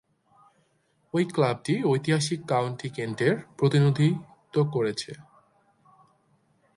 এ ক্লাবটি ঐতিহাসিক কাউন্টি কেন্টের প্রতিনিধিত্ব করছে।